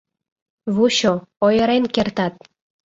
Вучо, ойырен кертат!